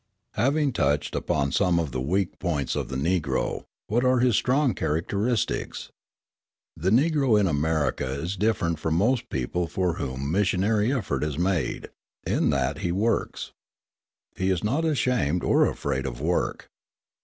Having touched upon some of the weak points of the Negro, what are his strong characteristics? The Negro in America is different from most people for whom missionary effort is made, in that he works. He is not ashamed or afraid of work.